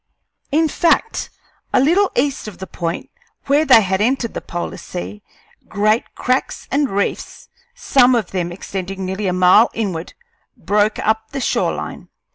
In fact, a little east of the point where they had entered the polar sea great cracks and reefs, some of them extending nearly a mile inward, broke up the shore line.